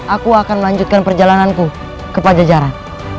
aku akan melanjutkan perjalananku kepada jarak